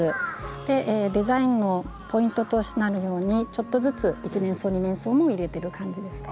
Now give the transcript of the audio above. デザインのポイントとなるようにちょっとずつ一年草二年草も入れてる感じですね。